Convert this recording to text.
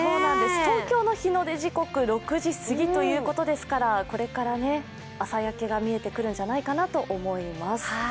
東京の日の出時刻６時すぎということですから、これから朝焼けが見えてくるんじゃないかなと思います。